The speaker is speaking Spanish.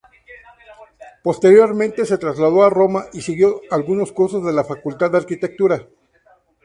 Posteriormente se trasladó a Roma y siguió algunos cursos de la Facultad de Arquitectura.